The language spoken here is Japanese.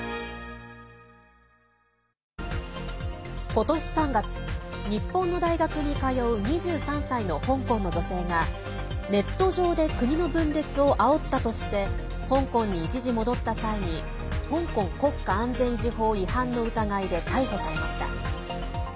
今年３月日本の大学に通う２３歳の香港の女性がネット上で国の分裂をあおったとして香港に一時戻った際に香港国家安全維持法違反の疑いで逮捕されました。